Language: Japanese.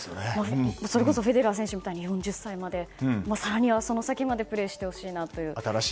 それこそフェデラー選手みたいに４０歳まで、更にはその先までプレーしてほしいなという。